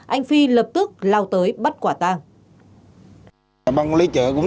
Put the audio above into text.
anh phi lập tức lao tới bắt quả tàng